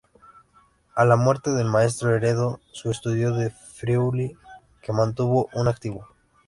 A la muerte del maestro, heredó su estudio de Friuli, que mantuvo en activo.